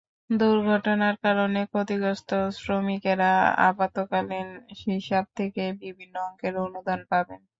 দুর্ঘটনার কারণে ক্ষতিগ্রস্ত শ্রমিকেরা আপত্কালীন হিসাব থেকে বিভিন্ন অঙ্কের অনুদান পাবেন।